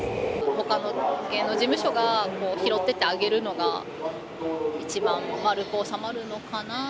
ほかの芸能事務所が拾ってってあげるのが一番丸く収まるのか